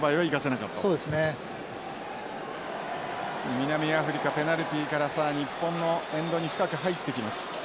南アフリカペナルティーからさあ日本のエンドに深く入ってきます。